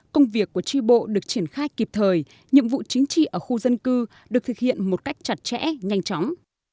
công việc của tri bộ được triển khai kịp thời nhiệm vụ chính trị ở khu dân cư được thực hiện một cách chặt chẽ nhanh chóng